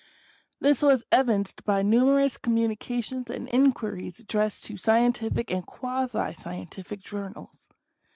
This was evinced by numerous communications and inquiries addressed to scientific and quasi scientific journals.